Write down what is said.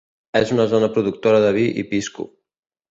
És una zona productora de vi i pisco.